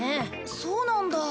そうなんだ。